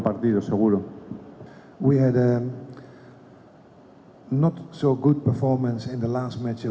kita tidak melakukan pekerjaan yang baik di pertandingan terakhir